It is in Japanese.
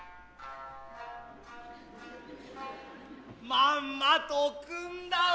まんまと汲んだわ。